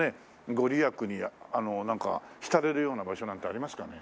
ご利益に浸れるような場所なんてありますかね？